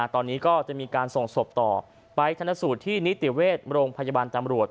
ตอนนี้ก็จะมีการส่งศพต่อไปธนสูตรที่นิติเวชโรงพยาบาลตำรวจ